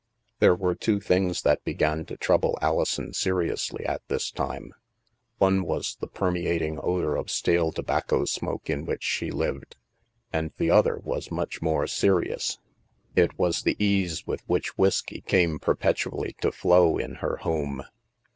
There were two things that began to trouble Ali son seriously at this time; one was the permeating odor of stale tobacco smoke in which she lived, and the other was much more serious. It was the ease with which whisky came perpetually to flow in her home.